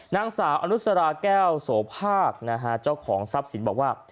นางสาวอนุสราแก้วโสภาคนะฮะเจ้าของทรัพย์สินบอกว่า